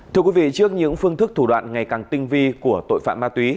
thưa quý vị trước những phương thức thủ đoạn ngày càng tinh vi của tội phạm ma túy